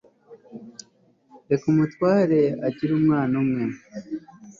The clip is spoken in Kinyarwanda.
reka umutware agire umwana umwe